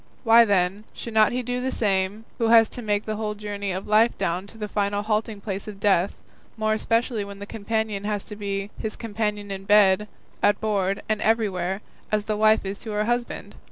Why, then, should not he do the same who has to make the whole journey of life down to the final halting place of death, more especially when the companion has to be his companion in bed, at board, and everywhere, as the wife is to her husband?